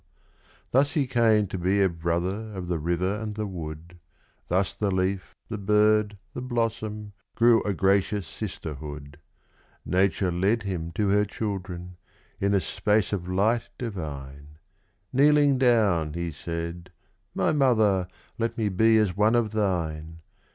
Thus he came to be a brother of the river and the wood Thus the leaf, the bird, the blossom, grew a gracious sisterhood; Nature led him to her children, in a space of light divine: Kneeling down, he said "My mother, let me be as one of thine!"